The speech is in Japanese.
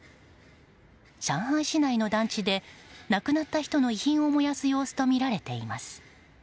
上海市内の団地で亡くなった人の遺品を燃やす様子とみられています。